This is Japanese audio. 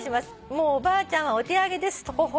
「もうおばあちゃんはお手上げですトホホ」